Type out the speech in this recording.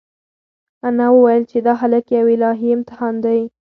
انا وویل چې دا هلک یو الهي امتحان دی.